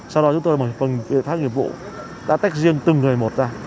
sau đó chúng tôi bằng phần phát nghiệp vụ đã tách riêng từng người một ra